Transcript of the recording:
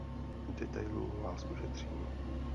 Detailů vás ušetřím.